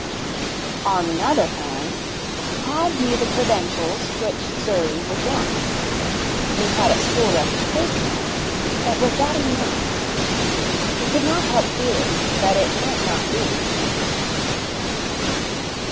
On the other hand, had he the credentials which Surrey would want? He had a school reputation. But was that enough? He could not help feeling that it might not be.